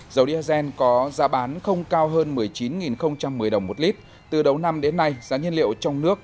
dầu diesel có giá bán không cao hơn một mươi chín một mươi đồng một lít từ đầu năm đến nay giá nhiên liệu trong nước